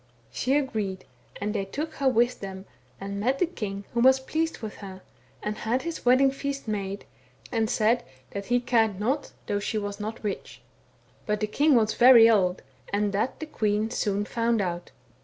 She agreed, and they took her with them and met the king who was pleased with her, and had his wedding feast made, and said that he cared not though she was not rich. But the king was very old, and that the queen soon found out.